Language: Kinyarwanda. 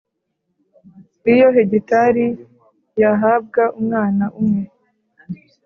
iyo hegitari yahabwa umwana umwe;